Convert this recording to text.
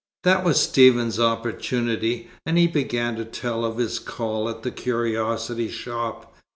That was Stephen's opportunity, and he began to tell of his call at the curiosity shop.